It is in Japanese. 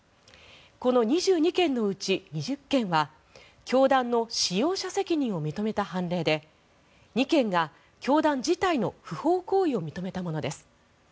この２２件のうち２０件は教団の使用者責任を認めた判例で２件が教団自体の不法行為を認めたものです。